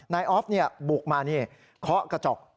นายอ๊อฟบุกมาเคาะกระจก